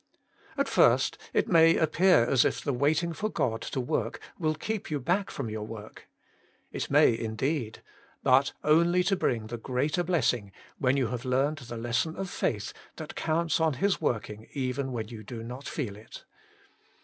At first it m.ay appear as if the waiting for God to work v/ill keep you back from your work. It may indeed — but only to bring the greater blessing, wlien you have learned the lesson of faith, that counts on His working even when you do not feel it.